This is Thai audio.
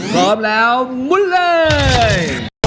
พร้อมแล้วมุนเลย